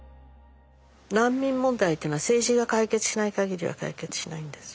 難民問題っていうのは政治が解決しない限りは解決しないんですよ。